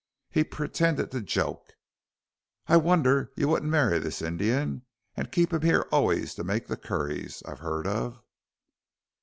He pretended to joke. "I wonder you don't marry this Indian, and keep him here always to make the curries I have heard of."